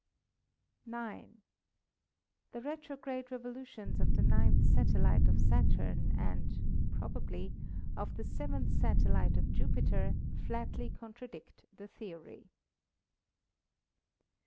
"9. The retrograde revolutions of the ninth satellite of Saturn and (probably) of the seventh satellite of Jupiter flatly contradict the theory."